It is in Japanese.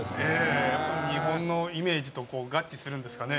日本のイメージと合致するんですかね。